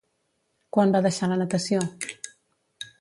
Quan va deixar la natació?